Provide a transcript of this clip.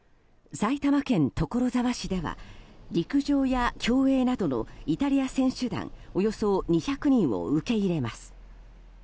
埼玉県所沢市では陸上や競泳などのイタリア選手団およそ２００人を受け入れます。